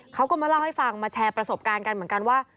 เขาก็มาเล่าให้ฟังมาแชร์ประสบการณ์กันเหมือนกันว่า